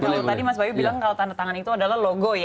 kalau tadi mas bayu bilang kalau tanda tangan itu adalah logo ya